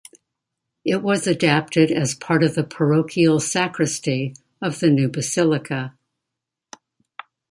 It was adapted as part of the parochial sacristy of the new basilica.